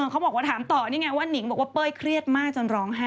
เขาบอกว่าถามต่อนี่ไงว่านิงบอกว่าเป้ยเครียดมากจนร้องไห้